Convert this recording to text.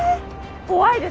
怖いです！